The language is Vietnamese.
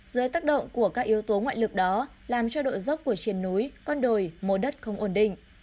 giới tác động của các yếu tố ngoại lực đó làm cho độ dốc của chiến núi con đồi mô đất không ổn định